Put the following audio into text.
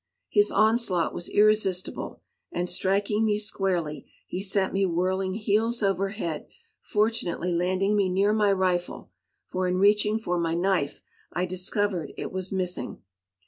His onslaught was irresistible, and striking me squarely, he sent me whirling heels over head, fortunately landing me near my rifle, for in reaching for my knife I discovered it was missing.